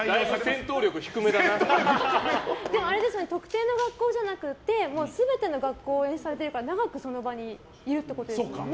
でも、特定の学校じゃなくて全ての学校を応援されてるから長くその場にいるってことですよね。